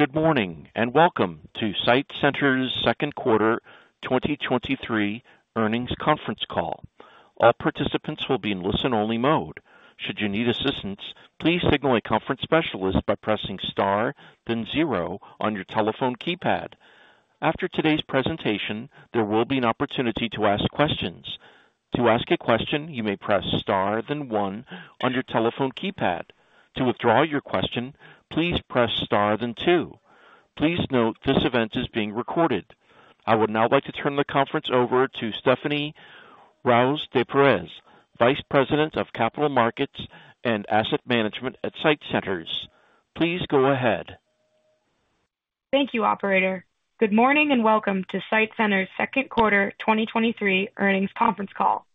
Good morning, and Welcome to SITE Centers' 2nd quarter 2023 earnings conference call. All participants will be in listen-only mode. Should you need assistance, please signal a conference specialist by pressing star, then zero on your telephone keypad. After today's presentation, there will be an opportunity to ask questions. To ask a question, you may press star, then one on your telephone keypad. To withdraw your question, please press star, then two. Please note, this event is being recorded. I would now like to turn the conference over to Stephanie Ruys de Perez, Vice President of Capital Markets and Asset Management at SITE Centers. Please go ahead. Thank you, operator. Welcome to SITE Centers' second quarter 2023 earnings conference call.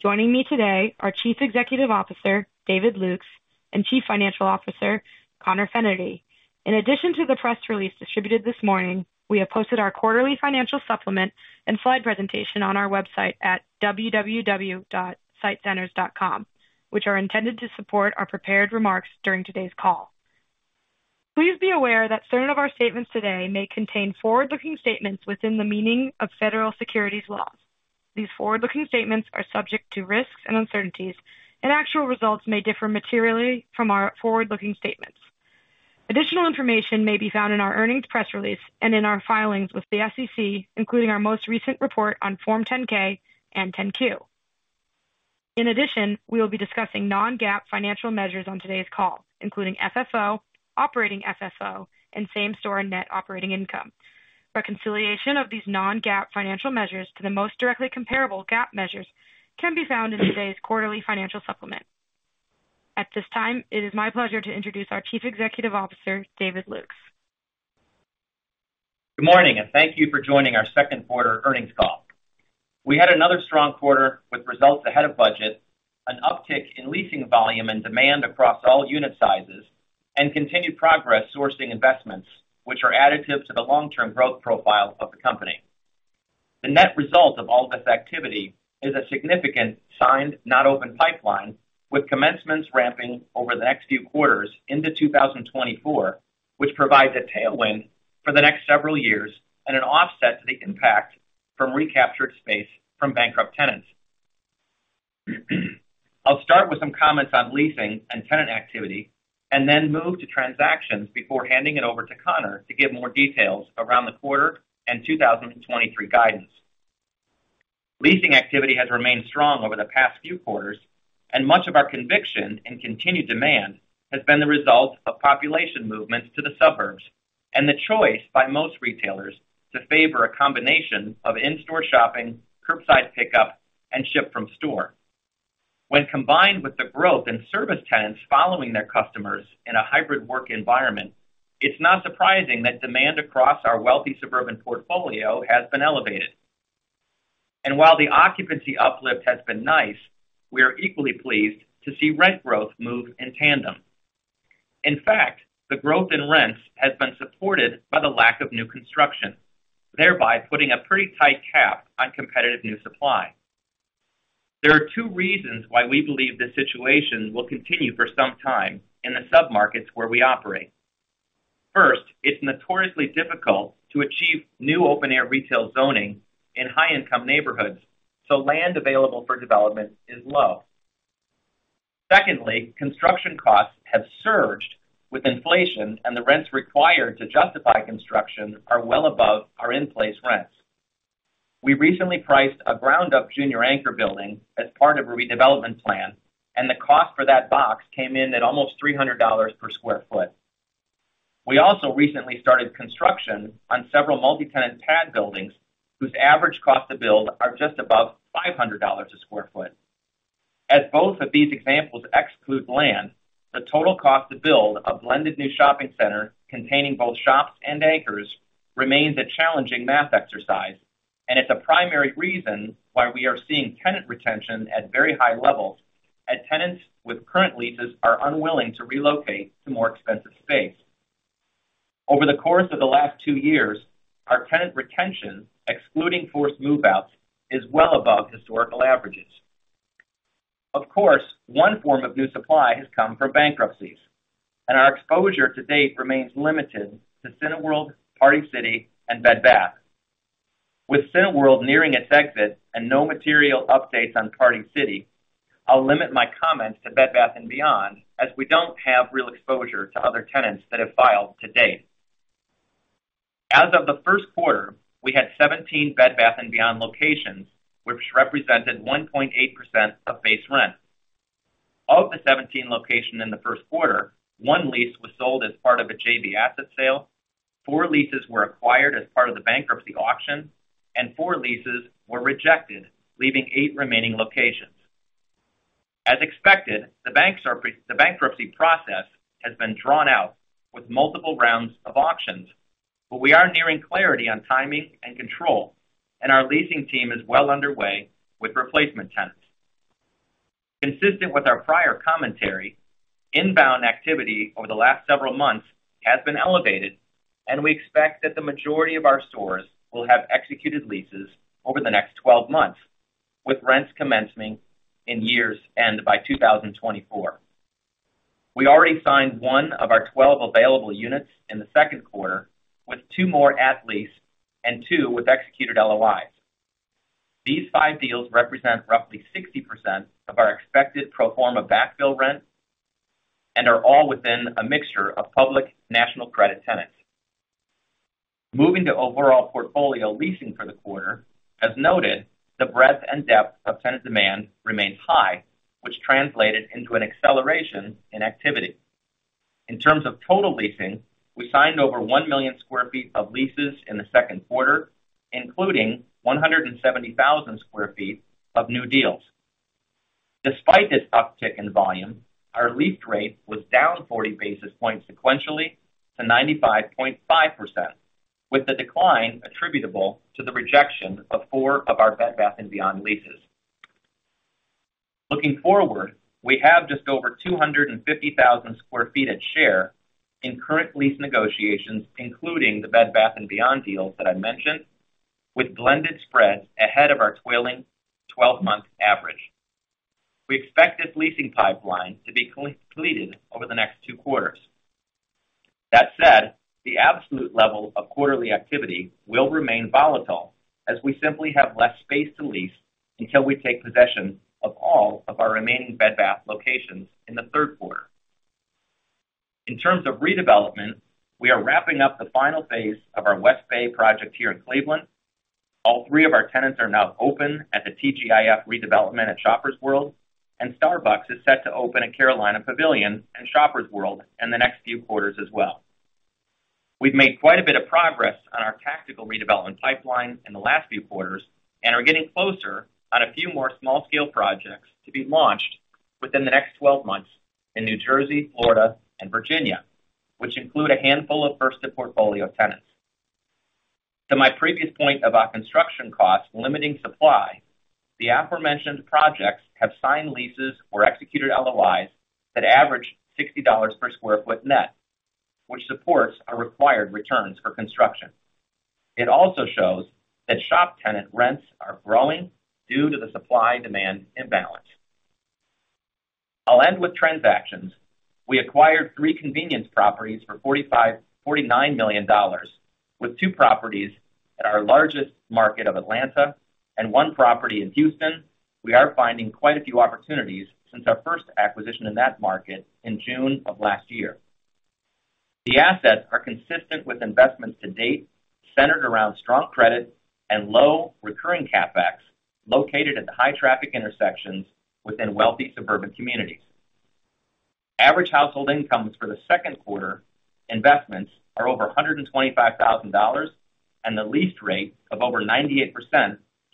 Joining me today are Chief Executive Officer, David Lukes, and Chief Financial Officer, Conor Fennerty. In addition to the press release distributed this morning, we have posted our quarterly financial supplement and slide presentation on our website at www.sitecenters.com, which are intended to support our prepared remarks during today's call. Please be aware that certain of our statements today may contain forward-looking statements within the meaning of federal securities laws. These forward-looking statements are subject to risks and uncertainties. Actual results may differ materially from our forward-looking statements. Additional information may be found in our earnings press release and in our filings with the SEC, including our most recent report on Form 10-K and 10-Q. In addition, we will be discussing non-GAAP financial measures on today's call, including FFO, operating FFO, and same-store net operating income. Reconciliation of these non-GAAP financial measures to the most directly comparable GAAP measures can be found in today's quarterly financial supplement. At this time, it is my pleasure to introduce our Chief Executive Officer, David Lukes. Good morning, and thank you for joining our second quarter earnings call. We had another strong quarter with results ahead of budget, an uptick in leasing volume and demand across all unit sizes, and continued progress sourcing investments, which are additive to the long-term growth profile of the company. The net result of all this activity is a significant signed, not open pipeline, with commencements ramping over the next few quarters into 2024, which provides a tailwind for the next several years and an offset to the impact from recaptured space from bankrupt tenants. I'll start with some comments on leasing and tenant activity, and then move to transactions before handing it over to Connor to give more details around the quarter and 2023 guidance. Leasing activity has remained strong over the past few quarters, and much of our conviction and continued demand has been the result of population movements to the suburbs and the choice by most retailers to favor a combination of in-store shopping, curbside pickup, and ship from store. When combined with the growth in service tenants following their customers in a hybrid work environment, it's not surprising that demand across our wealthy suburban portfolio has been elevated. While the occupancy uplift has been nice, we are equally pleased to see rent growth move in tandem. In fact, the growth in rents has been supported by the lack of new construction, thereby putting a pretty tight cap on competitive new supply. There are two reasons why we believe this situation will continue for some time in the submarkets where we operate. First, it's notoriously difficult to achieve new open-air retail zoning in high-income neighborhoods, so land available for development is low. Secondly, construction costs have surged with inflation, and the rents required to justify construction are well above our in-place rents. We recently priced a ground-up junior anchor building as part of a redevelopment plan, and the cost for that box came in at almost $300 per sq ft. We also recently started construction on several multi-tenant pad buildings, whose average cost to build are just above $500 a sq ft. As both of these examples exclude land, the total cost to build a blended new shopping center containing both shops and anchors remains a challenging math exercise, and it's a primary reason why we are seeing tenant retention at very high levels, as tenants with current leases are unwilling to relocate to more expensive space. Over the course of the last two years, our tenant retention, excluding forced move-outs, is well above historical averages. One form of new supply has come from bankruptcies, and our exposure to date remains limited to Cineworld, Party City, and Bed Bath. With Cineworld nearing its exit and no material updates on Party City, I'll limit my comments to Bed, Bath & Beyond, as we don't have real exposure to other tenants that have filed to date. As of the first quarter, we had 17 Bed, Bath & Beyond locations, which represented 1.8% of base rent. Of the 17 locations in the first quarter, 1 lease was sold as part of a JV asset sale, four leases were acquired as part of the bankruptcy auction, and four leases were rejected, leaving eight remaining locations. As expected, the bankruptcy process has been drawn out with multiple rounds of auctions, but we are nearing clarity on timing and control, and our leasing team is well underway with replacement tenants. Consistent with our prior commentary, inbound activity over the last several months has been elevated, and we expect that the majority of our stores will have executed leases over the next 12 months with rents commencing in years end by 2024. We already signed one of our 12 available units in the second quarter, with two more at lease and two with executed LOIs. These five deals represent roughly 60% of our expected pro forma backfill rent and are all within a mixture of public national credit tenants. Moving to overall portfolio leasing for the quarter, as noted, the breadth and depth of tenant demand remains high, which translated into an acceleration in activity. In terms of total leasing, we signed over one million sq ft of leases in the second quarter, including 170,000 sq ft of new deals. Despite this uptick in volume, our lease rate was down 40 basis points sequentially to 95.5%, with the decline attributable to the rejection of four of our Bed Bath & Beyond leases. Looking forward, we have just over 250,000 sq ft at share in current lease negotiations, including the Bed Bath & Beyond deals that I mentioned, with blended spreads ahead of our trailing twelve-month average. We expect this leasing pipeline to be completed over the next two quarters. That said, the absolute level of quarterly activity will remain volatile, as we simply have less space to lease until we take possession of all of our remaining Bed Bath locations in the third quarter. In terms of redevelopment, we are wrapping up the final phase of our West Bay project here in Cleveland. All three of our tenants are now open at the TGIF redevelopment at Shoppers World, and Starbucks is set to open at Carolina Pavilion and Shoppers World in the next few quarters as well. We've made quite a bit of progress on our tactical redevelopment pipeline in the last few quarters, and are getting closer on a few more small-scale projects to be launched within the next 12 months in New Jersey, Florida, and Virginia, which include a handful of first-to-portfolio tenants. To my previous point about construction costs limiting supply, the aforementioned projects have signed leases or executed LOIs that average $60 per square foot net, which supports our required returns for construction. It also shows that shop tenant rents are growing due to the supply-demand imbalance. I'll end with transactions. We acquired three convenience properties for $49 million, with two properties in our largest market of Atlanta and one property in Houston. We are finding quite a few opportunities since our first acquisition in that market in June of last year. The assets are consistent with investments to date, centered around strong credit and low recurring CapEx, located at the high traffic intersections within wealthy suburban communities. Average household incomes for the second quarter investments are over $125,000. The lease rate of over 98%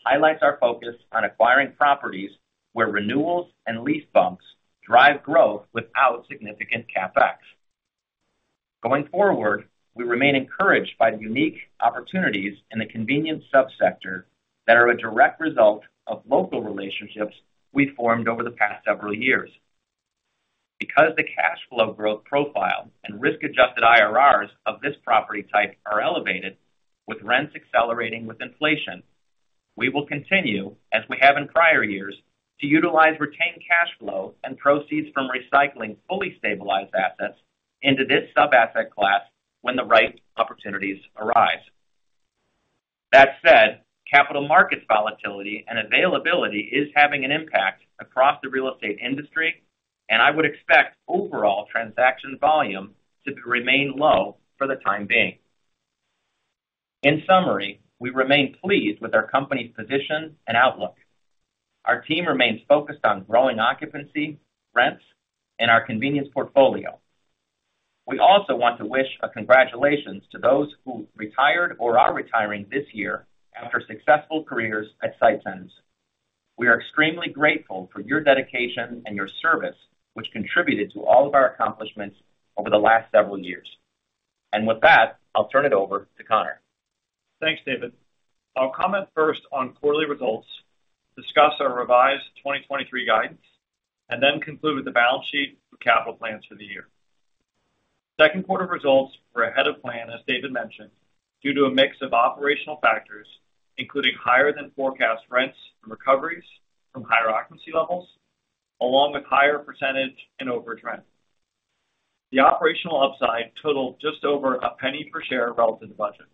highlights our focus on acquiring properties where renewals and lease bumps drive growth without significant CapEx. Going forward, we remain encouraged by the unique opportunities in the convenience subsector that are a direct result of local relationships we've formed over the past several years. Because the cash flow growth profile and risk-adjusted IRRs of this property type are elevated, with rents accelerating with inflation, we will continue, as we have in prior years, to utilize retained cash flow and proceeds from recycling fully stabilized assets into this sub-asset class when the right opportunities arise. That said, capital market volatility and availability is having an impact across the real estate industry, and I would expect overall transaction volume to remain low for the time being. In summary, we remain pleased with our company's position and outlook. Our team remains focused on growing occupancy, rents, and our convenience portfolio. We also want to wish a congratulations to those who retired or are retiring this year after successful careers at SITE Centers. We are extremely grateful for your dedication and your service, which contributed to all of our accomplishments over the last several years. With that, I'll turn it over to Connor. Thanks, David. I'll comment first on quarterly results, discuss our revised 2023 guidance, then conclude with the balance sheet and capital plans for the year. Second quarter results were ahead of plan, as David mentioned, due to a mix of operational factors, including higher than forecast rents and recoveries from higher occupancy levels, along with higher percentage and over trend. The operational upside totaled just over $0.01 per share relative to budget.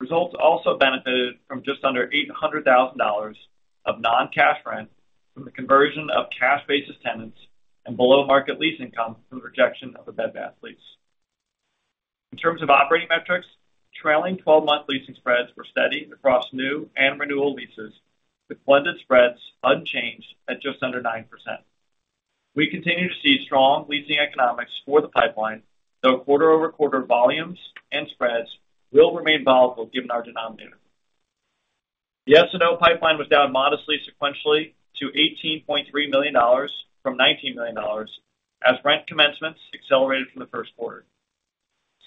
Results also benefited from just under $800,000 of non-cash rent from the conversion of cash-basis tenants and below-market lease income from the rejection of the Bed Bath lease. In terms of operating metrics, trailing twelve-month leasing spreads were steady across new and renewal leases, with blended spreads unchanged at just under 9%. We continue to see strong leasing economics for the pipeline, though quarter-over-quarter volumes and spreads will remain volatile given our denominator. The SNO pipeline was down modestly sequentially to $18.3 million from $19 million, as rent commencements accelerated from the first quarter.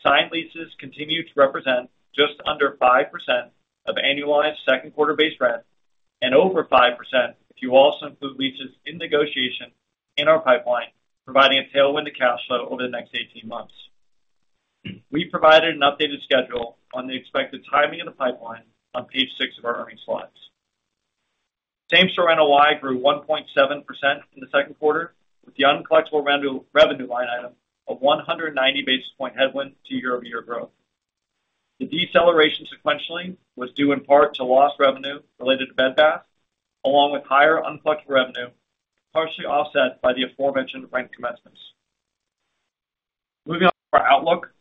Signed leases continue to represent just under 5% of annualized second quarter base rent, and over 5% if you also include leases in negotiation in our pipeline, providing a tailwind to cash flow over the next 18 months. We provided an updated schedule on the expected timing of the pipeline on page 6 of our earnings slides. Same-store NOI grew 1.7% in the second quarter, with the uncollectible revenue line item of 190 basis point headwind to year-over-year growth. The deceleration sequentially was due in part to lost revenue related to Bed Bath, along with higher uncollectible revenue, partially offset by the aforementioned rent commencements. Moving on to our outlook,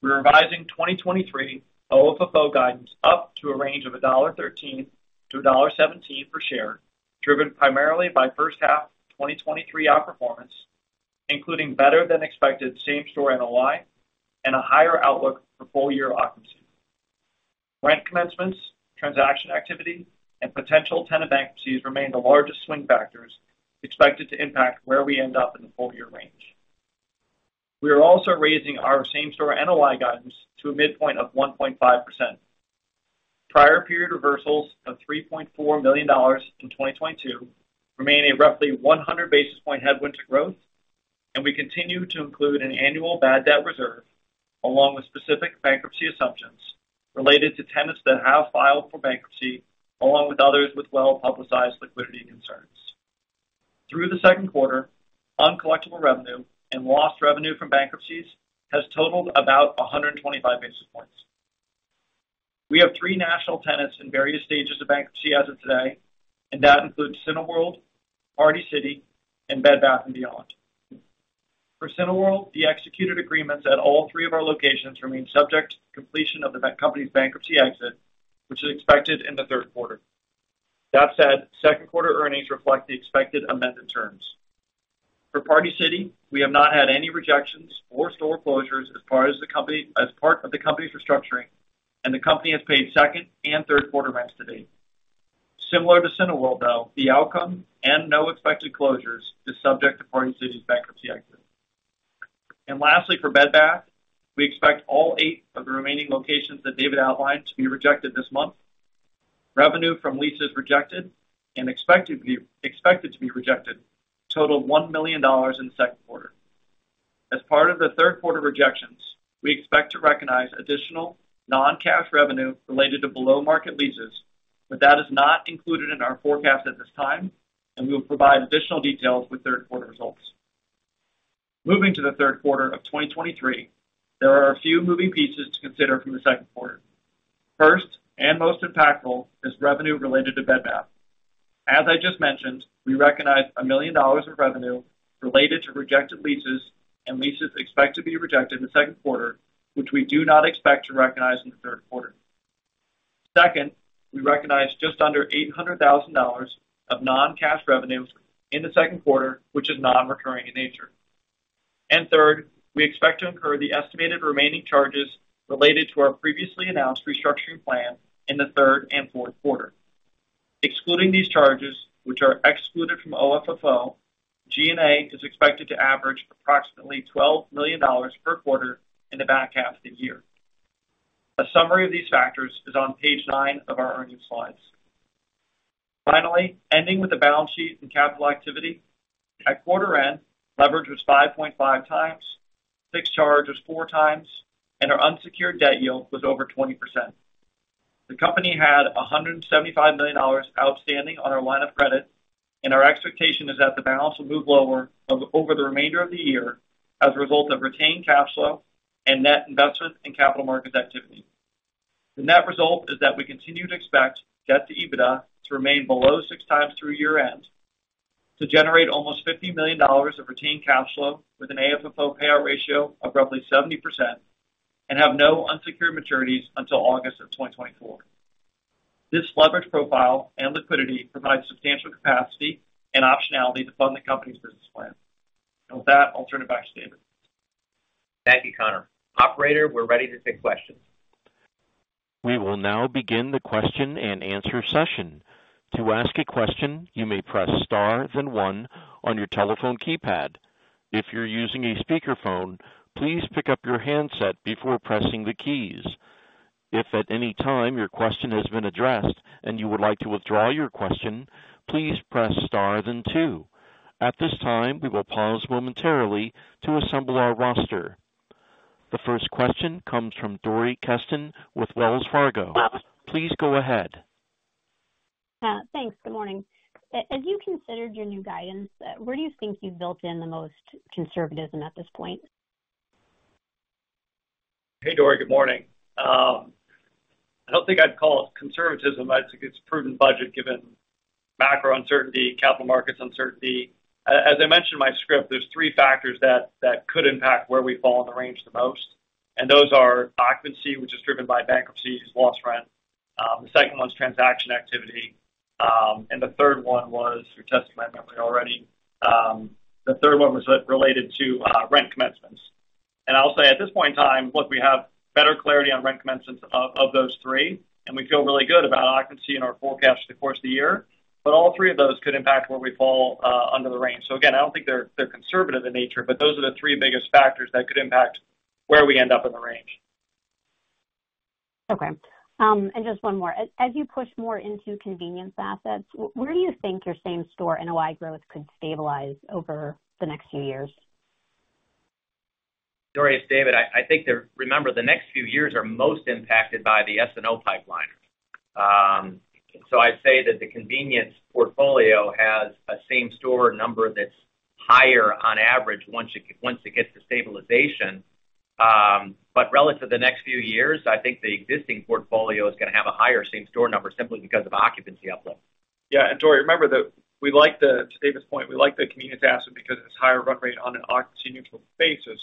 we're revising 2023 OFFO guidance up to a range of $1.13-$1.17 per share, driven primarily by first half 2023 outperformance, including better than expected same-store NOI and a higher outlook for full-year occupancy. Rent commencements, transaction activity, and potential tenant bankruptcies remain the largest swing factors expected to impact where we end up in the full year range. We are also raising our same-store NOI guidance to a midpoint of 1.5%. Prior period reversals of $3.4 million in 2022 remain a roughly 100 basis point headwind to growth, and we continue to include an annual bad debt reserve, along with specific bankruptcy assumptions related to tenants that have filed for bankruptcy, along with others with well-publicized liquidity concerns. Through the second quarter, uncollectible revenue and lost revenue from bankruptcies has totaled about 125 basis points. We have three national tenants in various stages of bankruptcy as of today. That includes Cineworld, Party City, and Bed Bath & Beyond. For Cineworld, the executed agreements at all three of our locations remain subject to completion of the company's bankruptcy exit, which is expected in the third quarter. That said, second quarter earnings reflect the expected amended terms. For Party City, we have not had any rejections or store closures as far as part of the company's restructuring, the company has paid second and third quarter rents to date. Similar to Cineworld, though, the outcome and no expected closures is subject to Party City's bankruptcy exit. Lastly, for Bed, Bath, we expect all eight of the remaining locations that David outlined to be rejected this month. Revenue from leases rejected and expected to be rejected totaled $1 million in the second quarter. As part of the third quarter rejections, we expect to recognize additional non-cash revenue related to below-market leases, that is not included in our forecast at this time, we will provide additional details with third quarter results. Moving to the third quarter of 2023, there are a few moving pieces to consider from the second quarter. First, and most impactful, is revenue related to Bed, Bath. As I just mentioned, we recognized $1 million of revenue related to rejected leases and leases expect to be rejected in the second quarter, which we do not expect to recognize in the third quarter. Second, we recognized just under $800,000 of non-cash revenues in the second quarter, which is non-recurring in nature. Third, we expect to incur the estimated remaining charges related to our previously announced restructuring plan in the third and fourth quarter. Excluding these charges, which are excluded from OFFO, GNA is expected to average approximately $12 million per quarter in the back half of the year. A summary of these factors is on page 9 of our earnings slides. Ending with the balance sheet and capital activity. At quarter end, leverage was 5.5x, fixed charge was 4x, and our unsecured debt yield was over 20%. The company had $175 million outstanding on our line of credit, and our expectation is that the balance will move lower over the remainder of the year as a result of retained cash flow and net investment in capital markets activity. The net result is that we continue to expect debt to EBITDA to remain below 6x through year-end, to generate almost $50 million of retained cash flow with an AFFO payout ratio of roughly 70%, and have no unsecured maturities until August 2024. This leverage profile and liquidity provides substantial capacity and optionality to fund the company's business plan. With that, I'll turn it back to David. Thank you, Conor. Operator, we're ready to take questions. We will now begin the question-and-answer session. To ask a question, you may press star, then one on your telephone keypad. If you're using a speakerphone, please pick up your handset before pressing the keys. If at any time your question has been addressed and you would like to withdraw your question, please press star than two. At this time, we will pause momentarily to assemble our roster. The first question comes from Dori Kesten with DiamondRock. Please go ahead. Thanks. Good morning. as you considered your new guidance, where do you think you've built in the most conservatism at this point? Hey, Dori, good morning. I don't think I'd call it conservatism. I think it's prudent budget, given macro uncertainty, capital markets uncertainty. As I mentioned in my script, there's three factors that could impact where we fall in the range the most, and those are occupancy, which is driven by bankruptcies, lost rent. The second one is transaction activity, the third one was, you tested my memory already. The third one was related to rent commencements. I'll say, at this point in time, look, we have better clarity on rent commencements of those three, we feel really good about occupancy in our forecast for the course of the year. All three of those could impact where we fall under the range. I don't think they're conservative in nature, but those are the three biggest factors that could impact where we end up in the range. Okay. Just one more. As you push more into convenience assets, where do you think your same-store NOI growth could stabilize over the next few years? Dori, it's David. Remember, the next few years are most impacted by the SNO pipeline. I'd say that the convenience portfolio has a same-store number that's higher on average, once it gets to stabilization. Relative to the next few years, I think the existing portfolio is gonna have a higher same-store number simply because of occupancy uplift. Yeah, Dori, remember that we like, to David's point, we like the convenience asset because it's higher run rate on an occupancy-neutral basis.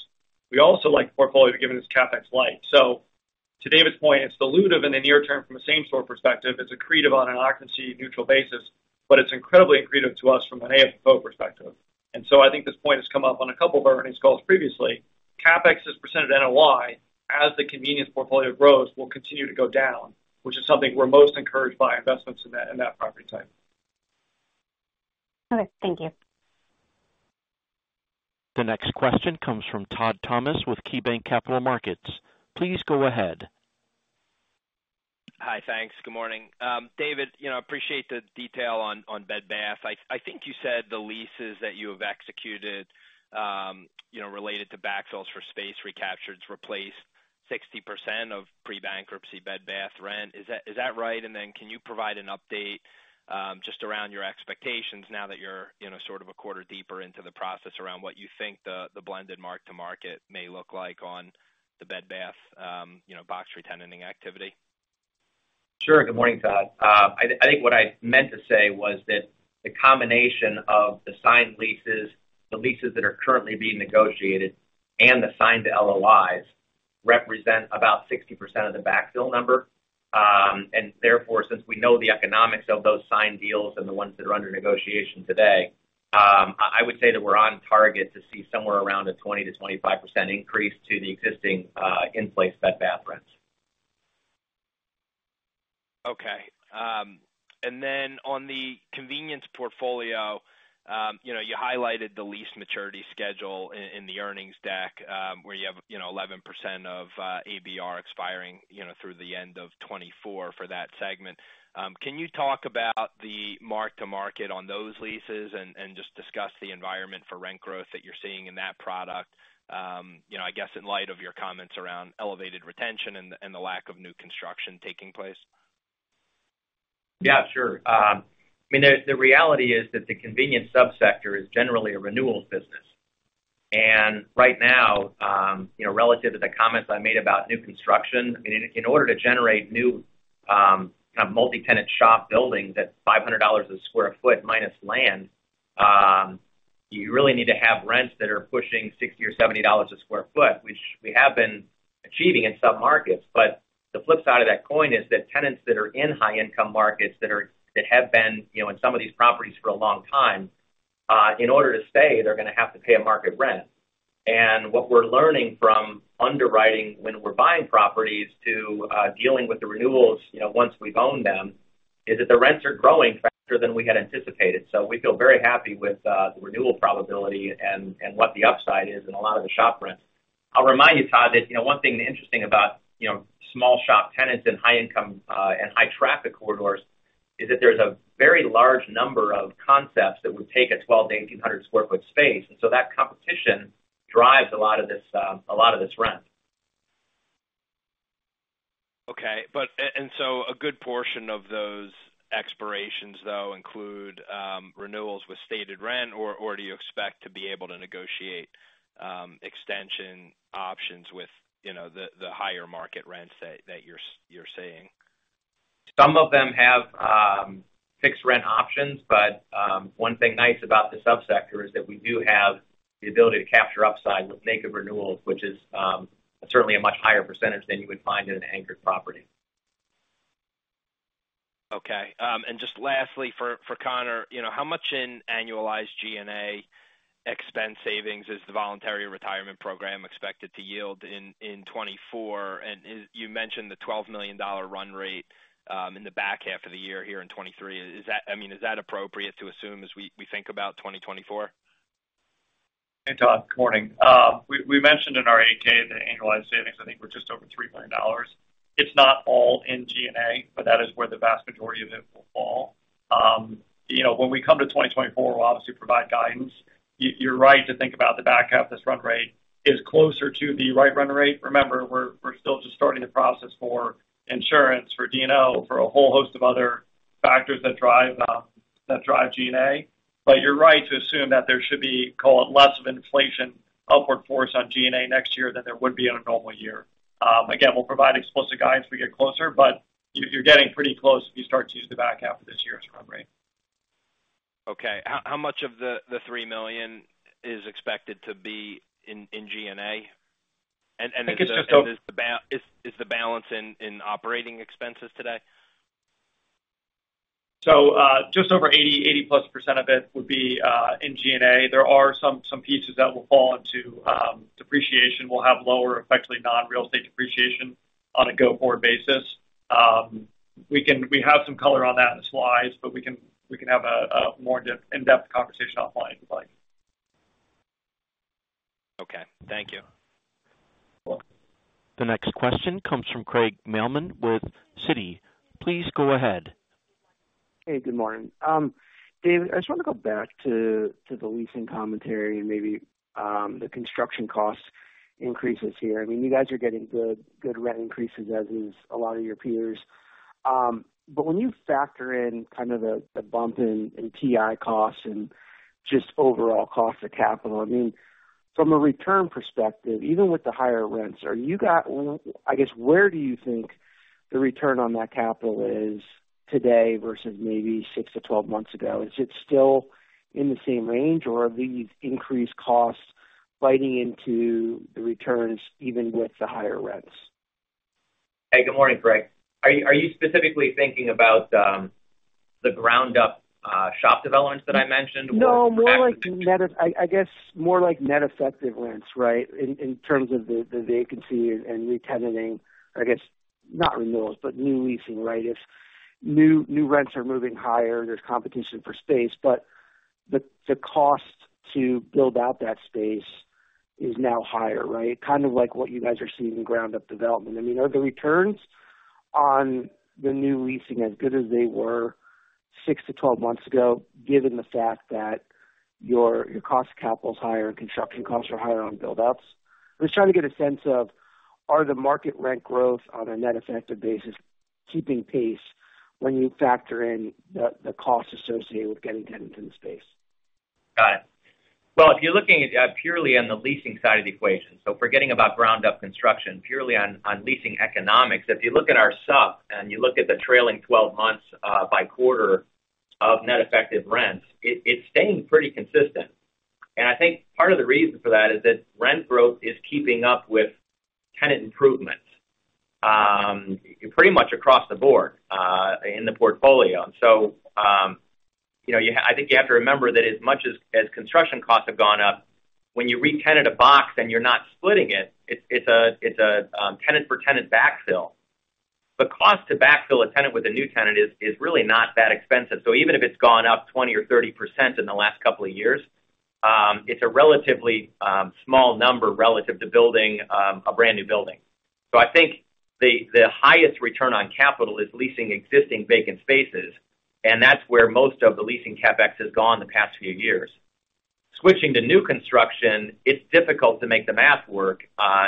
We also like the portfolio, given its CapEx light. To David's point, it's dilutive in the near term from a same-store perspective. It's accretive on an occupancy-neutral basis, but it's incredibly accretive to us from an AFFO perspective. I think this point has come up on a couple of our earnings calls previously. CapEx, as a % of NOI, as the convenience portfolio grows, will continue to go down, which is something we're most encouraged by investments in that property type. Okay, thank you. The next question comes from Todd Thomas with KeyBanc Capital Markets. Please go ahead. Hi, thanks. Good morning. David, you know, appreciate the detail on Bed Bath. I think you said the leases that you have executed, you know, related to backfills for space recaptured to replace 60% of pre-bankruptcy Bed Bath rent. Is that right? Can you provide an update, just around your expectations now that you're in a sort of a quarter deeper into the process around what you think the blended mark to market may look like on the Bed Bath, you know, box re-tenanting activity? Sure. Good morning, Todd. I think what I meant to say was that the combination of the signed leases, the leases that are currently being negotiated, and the signed LOIs, represent about 60% of the backfill number. Therefore, since we know the economics of those signed deals and the ones that are under negotiation today, I would say that we're on target to see somewhere around a 20%-25% increase to the existing in-place Bed Bath rents. Okay. On the convenience portfolio, you highlighted the lease maturity schedule in the earnings deck, where you have 11% of ABR expiring through the end of 2024 for that segment. Can you talk about the mark to market on those leases and just discuss the environment for rent growth that you're seeing in that product? I guess in light of your comments around elevated retention and the lack of new construction taking place. Yeah, sure. I mean, the reality is that the convenience subsector is generally a renewals business. Right now, you know, relative to the comments I made about new construction, I mean, in order to generate new, kind of multi-tenant shop buildings at $500 a sq ft minus land, you really need to have rents that are pushing $60 or $70 a sq ft, which we have been achieving in some markets. The flip side of that coin is that tenants that are in high-income markets, that have been, you know, in some of these properties for a long time, in order to stay, they're gonna have to pay a market rent. What we're learning from underwriting when we're buying properties to dealing with the renewals, you know, once we've owned them, is that the rents are growing faster than we had anticipated. We feel very happy with the renewal probability and what the upside is in a lot of the shop rents. I'll remind you, Todd, that, you know, one thing interesting about, you know, small shop tenants in high income and high traffic corridors, is that there's a very large number of concepts that would take a 1,200-1,800 sq ft space, and so that competition drives a lot of this, a lot of this rent. Okay. A good portion of those expirations, though, include, renewals with stated rent, or do you expect to be able to negotiate, extension options with, you know, the higher market rents that you're seeing? Some of them have fixed rent options, but one thing nice about the subsector is that we do have the ability to capture upside with naked renewals, which is certainly a much higher percentage than you would find in an anchored property. Okay. Just lastly, for Connor, you know, how much in annualized G&A expense savings is the voluntary retirement program expected to yield in 2024? You mentioned the $12 million run rate in the back half of the year here in 2023. I mean, is that appropriate to assume as we think about 2024? Hey, Todd. Good morning. We mentioned in our 8-K, the annualized savings, I think, were just over $3 million. It's not all in G&A, but that is where the vast majority of it will fall. You know, when we come to 2024, we'll obviously provide guidance. You're right to think about the back half. This run rate is closer to the right run rate. Remember, we're still just starting the process for insurance, for D&O, for a whole host of other factors that drive G&A. You're right to assume that there should be, call it, less of an inflation upward force on G&A next year than there would be on a normal year. Again, we'll provide explicit guidance as we get closer, but you're getting pretty close if you start to use the back half of this year's run rate. Okay. How much of the $3 million is expected to be in G&A? I think it's just over-. is the balance in operating expenses today? Just over 80-plus % of it would be in G&A. There are some pieces that will fall into depreciation. We'll have lower, effectively non-real estate depreciation on a go-forward basis. We have some color on that in the slides, but we can have a more in-depth conversation offline if you'd like.... Okay, thank you. You're welcome. The next question comes from Craig Mailman with Citi. Please go ahead. Hey, good morning. Dave, I just want to go back to the leasing commentary and maybe the construction cost increases here. I mean, you guys are getting good rent increases, as is a lot of your peers. When you factor in kind of the bump in TI costs and just overall cost of capital, I mean, from a return perspective, even with the higher rents, I guess, where do you think the return on that capital is today versus maybe 6-12 months ago? Is it still in the same range, or are these increased costs biting into the returns, even with the higher rents? Hey, good morning, Craig. Are you specifically thinking about the ground up shop developments that I mentioned? I guess, more like net effective rents, right? In terms of the vacancy and re-tenanting, I guess, not renewals, but new leasing, right? New rents are moving higher, there's competition for space, but the cost to build out that space is now higher, right? Kind of like what you guys are seeing in ground up development. I mean, are the returns on the new leasing as good as they were 6 to 12 months ago, given the fact that your cost of capital is higher and construction costs are higher on build ups? I'm just trying to get a sense of, are the market rent growth on a net effective basis, keeping pace when you factor in the costs associated with getting tenants in the space? Got it. If you're looking at purely on the leasing side of the equation, forgetting about ground up construction, purely on leasing economics, if you look at our SNO and you look at the trailing 12 months by quarter of net effective rents, it's staying pretty consistent. I think part of the reason for that is that rent growth is keeping up with tenant improvements pretty much across the board in the portfolio. You know, I think you have to remember that as much as construction costs have gone up, when you Re-tenant a box and you're not splitting it's a tenant for tenant backfill. The cost to backfill a tenant with a new tenant is really not that expensive. Even if it's gone up 20% or 30% in the last couple of years, it's a relatively small number relative to building a brand new building. I think the highest return on capital is leasing existing vacant spaces, and that's where most of the leasing CapEx has gone the past few years. Switching to new construction, it's difficult to make the math work,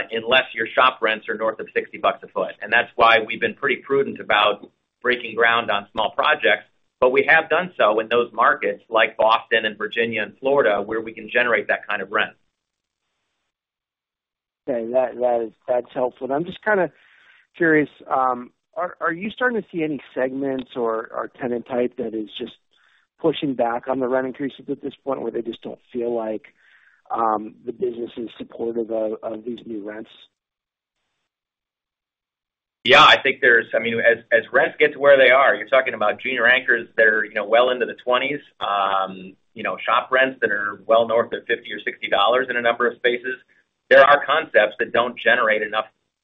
unless your shop rents are north of $60 a foot. That's why we've been pretty prudent about breaking ground on small projects. We have done so in those markets, like Boston and Virginia and Florida, where we can generate that kind of rent. Okay, that's helpful. I'm just kind of curious, are you starting to see any segments or tenant type that is just pushing back on the rent increases at this point, where they just don't feel like the business is supportive of these new rents? Yeah, I think there's, I mean, as rents get to where they are, you're talking about junior anchors that are, you know, well into the $20s, you know, shop rents that are well north of $50 or $60 in a number of spaces. There are concepts that don't generate enough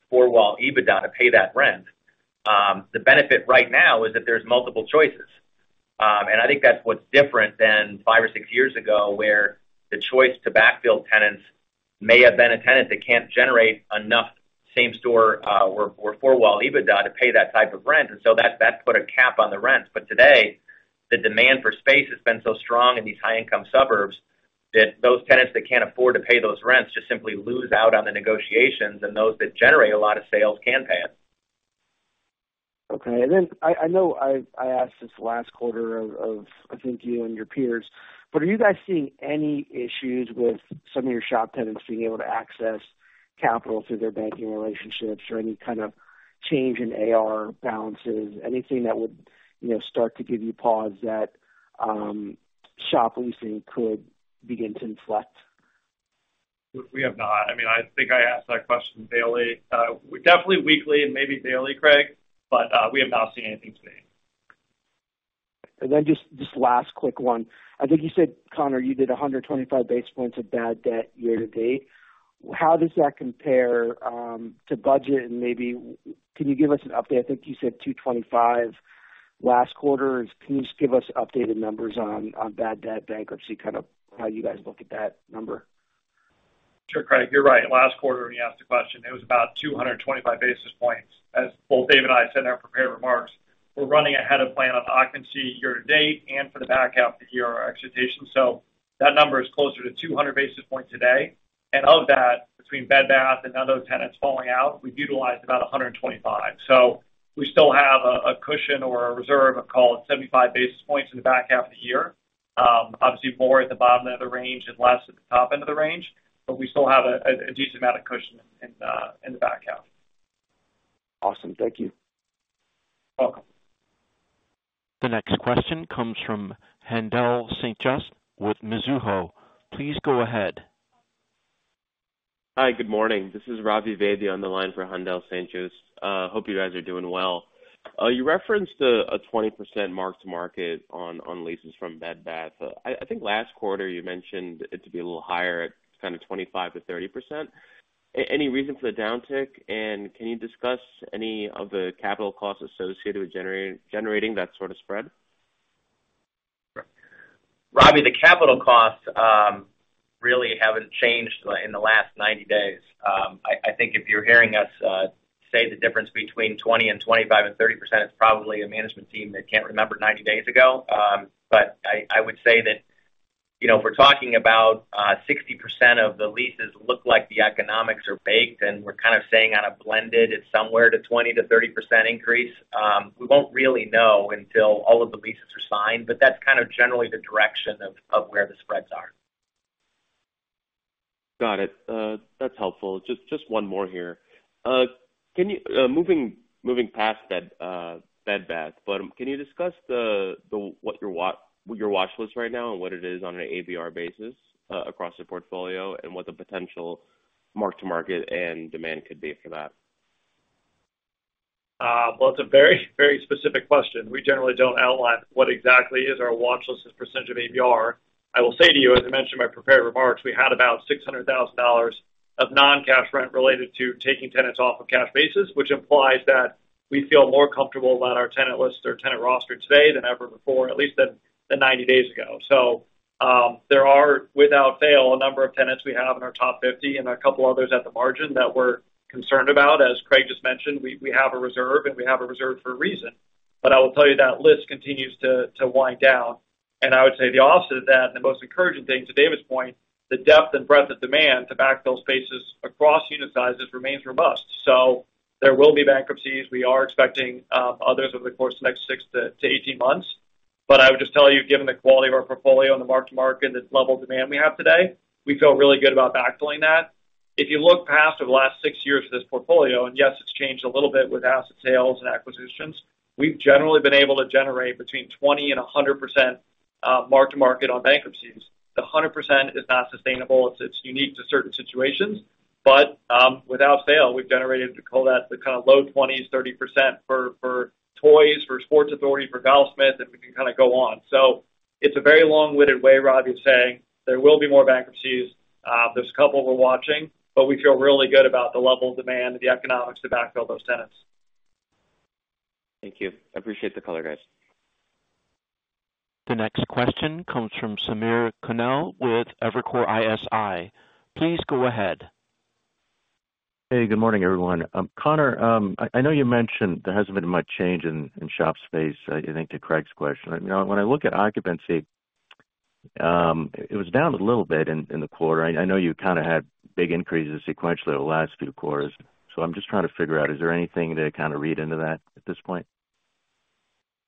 four-wall EBITDA to pay that rent. The benefit right now is that there's multiple choices. I think that's what's different than five or six years ago, where the choice to backfill tenants may have been a tenant that can't generate enough same-store, or four-wall EBITDA to pay that type of rent, so that put a cap on the rents. Today, the demand for space has been so strong in these high income suburbs, that those tenants that can't afford to pay those rents just simply lose out on the negotiations, and those that generate a lot of sales can pay it. Okay. I know I asked this last quarter of, I think, you and your peers, but are you guys seeing any issues with some of your shop tenants being able to access capital through their banking relationships or any kind of change in AR balances, anything that would, you know, start to give you pause that shop leasing could begin to inflect? We have not. I mean, I think I ask that question daily. Definitely weekly and maybe daily, Craig, we have not seen anything today. Just last quick one. I think you said, Conor, you did 125 basis points of bad debt year to date. How does that compare to budget? Maybe can you give us an update? I think you said 225 last quarter. Can you just give us updated numbers on bad debt bankruptcy, kind of how you guys look at that number? Sure, Craig, you're right. Last quarter, when you asked the question, it was about 225 basis points. As both Dave and I said in our prepared remarks, we're running ahead of plan on the occupancy year to date and for the back half of the year, our expectations. That number is closer to 200 basis points today. Of that, between Bed Bath and other tenants falling out, we've utilized about 125. We still have a cushion or a reserve of call it 75 basis points in the back half of the year. Obviously, more at the bottom of the range and less at the top end of the range, we still have a decent amount of cushion in the back half. Awesome. Thank you. Welcome. The next question comes from Haendel St. Juste with Mizuho. Please go ahead. Hi, good morning. This is Ravi Vaidya on the line for Haendel St. Juste. Hope you guys are doing well. You referenced a 20% marks to market on leases from Bed Bath. I think last quarter you mentioned it to be a little higher at kind of 25% to 30%. Any reason for the downtick, and can you discuss any of the capital costs associated with generating that sort of spread? Rav, the capital costs really haven't changed in the last 90 days. I think if you're hearing us say the difference between 20% and 25% and 30%, it's probably a management team that can't remember 90 days ago. I would say that, you know, if we're talking about 60% of the leases look like the economics are baked, and we're kind of saying on a blended, it's somewhere to 20%-30% increase, we won't really know until all of the leases are signed, but that's kind of generally the direction of where the spreads are. Got it. That's helpful. Just one more here. Moving past that Bed Bath, can you discuss the what your watchlist right now and what it is on an ABR basis across the portfolio, and what the potential mark-to-market and demand could be for that? Well, it's a very, very specific question. We generally don't outline what exactly is our watchlist as a percentage of ABR. I will say to you, as I mentioned in my prepared remarks, we had about $600,000 of non-cash rent related to taking tenants off of cash-basis, which implies that we feel more comfortable about our tenant list or tenant roster today than ever before, at least than 90 days ago. There are, without fail, a number of tenants we have in our top 50 and a couple others at the margin that we're concerned about. As Craig just mentioned, we have a reserve, and we have a reserve for a reason. I will tell you, that list continues to wind down. I would say the opposite of that, the most encouraging thing, to David's point, the depth and breadth of demand to backfill spaces across unit sizes remains robust. There will be bankruptcies. We are expecting others over the course of the next six to 18 months. I would just tell you, given the quality of our portfolio and the mark-to-market and the level of demand we have today, we feel really good about backfilling that. If you look past over the last six years of this portfolio, and yes, it's changed a little bit with asset sales and acquisitions, we've generally been able to generate between 20% and 100% mark-to-market on bankruptcies. The 100% is not sustainable. It's unique to certain situations, but, without fail, we've generated to call that the kind of low 20s, 30% for Toys, for Sports Authority, for Golfsmith, and we can kind of go on. It's a very long-winded way, Robbie, of saying there will be more bankruptcies. There's a couple we're watching, but we feel really good about the level of demand and the economics to backfill those tenants. Thank you. I appreciate the color, guys. The next question comes from Samir Khanal with Evercore ISI. Please go ahead. Hey, good morning, everyone. Connor, I know you mentioned there hasn't been much change in shop space, I think, to Craig's question. You know, when I look at occupancy, it was down a little bit in the quarter. I know you kind of had big increases sequentially over the last few quarters, so I'm just trying to figure out, is there anything to kind of read into that at this point?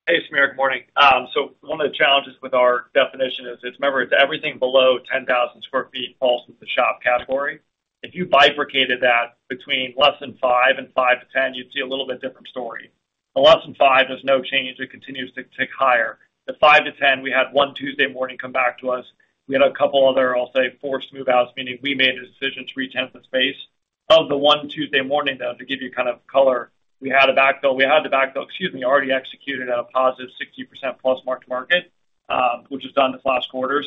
Hey, Sameer. Good morning. One of the challenges with our definition is remember, it's everything below 10,000 sq ft falls into the shop category. If you bifurcated that between less than 5 and 5 to 10, you'd see a little bit different story. The less than 5, there's no change. It continues to tick higher. The five to 10, we had 1 Tuesday Morning come back to us. We had a couple other, I'll say, forced move-outs, meaning we made a decision to re-tenant the space. Of the 1 Tuesday Morning, though, to give you kind of color, we had a backfill. We had the backfill, excuse me, already executed at a positive 60% plus mark-to-market, which is down this last quarter.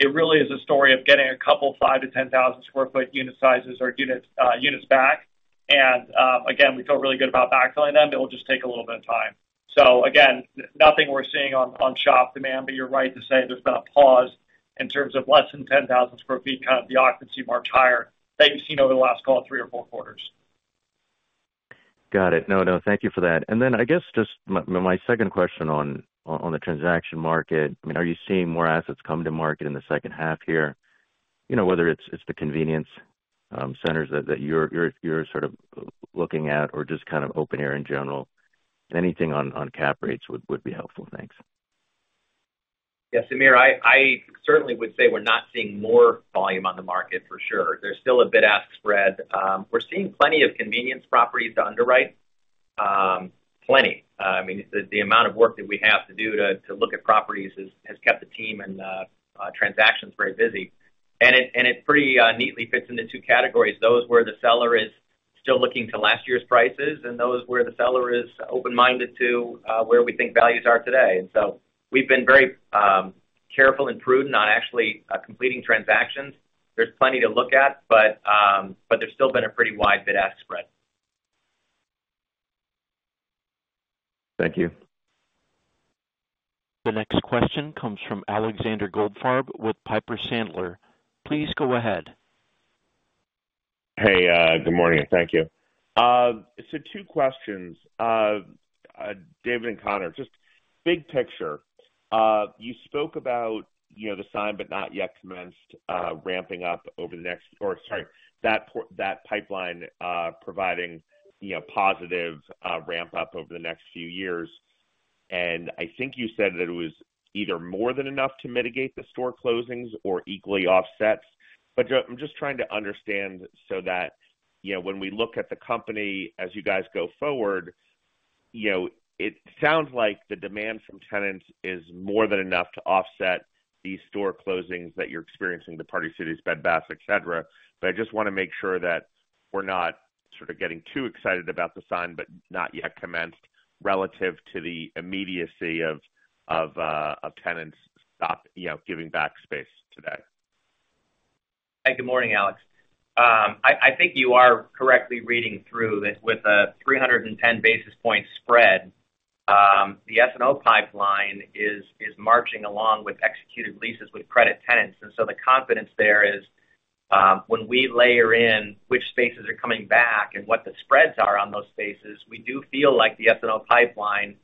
It really is a story of getting a couple 5,000-10,000 sq ft unit sizes or unit, units back. Again, we feel really good about backfilling them, but it'll just take a little bit of time. Again, nothing we're seeing on shop demand, but you're right to say there's been a pause in terms of less than 10,000 sq ft, kind of the occupancy mark higher that you've seen over the last, call it, three or four quarters. Got it. No, no, thank you for that. I guess just my second question on the transaction market, I mean, are you seeing more assets come to market in the second half here? You know, whether it's the convenience centers that you're sort of looking at or just kind of open air in general. Anything on cap rates would be helpful. Thanks. Yeah, Sameer, I certainly would say we're not seeing more volume on the market for sure. There's still a bid-ask spread. We're seeing plenty of convenience properties to underwrite. Plenty. I mean, the amount of work that we have to do to look at properties has kept the team and transactions very busy. It pretty neatly fits into two categories, those where the seller is still looking to last year's prices, and those where the seller is open-minded to where we think values are today. So we've been very careful and prudent on actually completing transactions. There's plenty to look at, but there's still been a pretty wide bid-ask spread. Thank you. The next question comes from Alexander Goldfarb with Piper Sandler. Please go ahead. Hey, good morning. Thank you. Two questions. David and Connor, just big picture, you spoke about, you know, the signed but not yet commenced, ramping up over the next... Or sorry, that pipeline, providing, you know, positive ramp-up over the next few years. I think you said that it was either more than enough to mitigate the store closings or equally offsets. I'm just trying to understand so that, you know, when we look at the company as you guys go forward, you know, it sounds like the demand from tenants is more than enough to offset these store closings that you're experiencing, the Party Cities, Bed Bath, et cetera. I just wanna make sure that we're not sort of getting too excited about the signed, but not yet commenced relative to the immediacy of tenants stop, you know, giving back space today. Hey, good morning, Alex. I think you are correctly reading through this with a 310 basis point spread. The SNO pipeline is marching along with executed leases with credit tenants. The confidence there is, when we layer in which spaces are coming back and what the spreads are on those spaces, we do feel like the SNO pipeline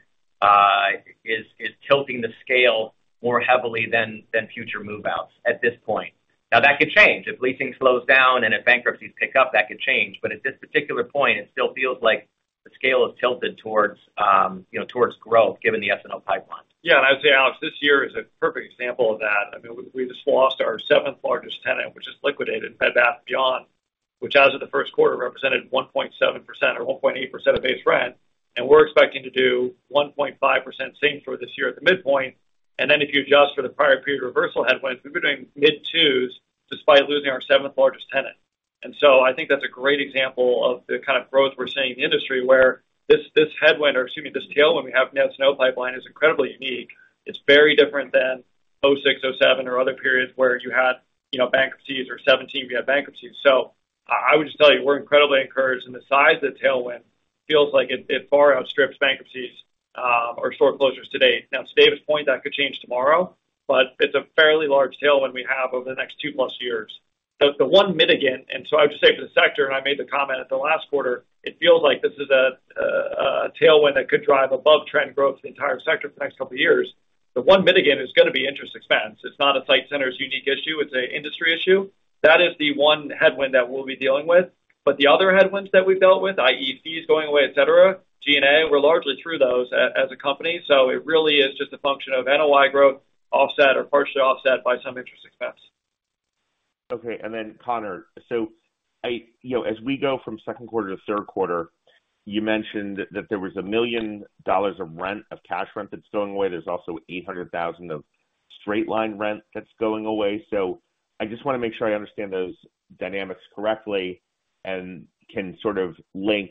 is tilting the scale more heavily than future move-outs at this point. Now, that could change. If leasing slows down and if bankruptcies pick up, that could change. At this particular point, it still feels like the scale is tilted towards, you know, towards growth, given the SNO pipeline. I would say, Alex, this year is a perfect example of that. I mean, we just lost our seventh-largest tenant, which is liquidated, Bed Bath & Beyond, which, as of the first quarter, represented 1.7% or 1.8% of base rent. We're expecting to do 1.5% same for this year at the midpoint. Then if you adjust for the prior period reversal headwinds, we've been doing mid-2s despite losing our seventh-largest tenant. So I think that's a great example of the kind of growth we're seeing in the industry, where this headwind or excuse me, this tailwind we have in SNO pipeline is incredibly unique. It's very different than 2006, 2007, or other periods where you had, you know, bankruptcies, or 2017, we had bankruptcies. I would just tell you, we're incredibly encouraged, and the size of the tailwind feels like it far outstrips bankruptcies or store closures to date. To David's point, that could change tomorrow, but it's a fairly large tailwind we have over the next two-plus years. The one mitigate, I would just say to the sector, and I made the comment at the last quarter, it feels like this is a tailwind that could drive above-trend growth for the entire sector for the next couple of years. The one mitigate is gonna be interest expense. It's not a SITE Centers unique issue; it's an industry issue. That is the one headwind that we'll be dealing with. The other headwinds that we've dealt with, i.e., fees going away, et cetera, G&A, we're largely through those as a company, so it really is just a function of NOI growth, offset or partially offset by some interest expense. Connor, you know, as we go from second quarter to third quarter, you mentioned that there was $1 million of rent, of cash rent that's going away. There's also $800,000 of straight-line rent that's going away. I just wanna make sure I understand those dynamics correctly and can sort of link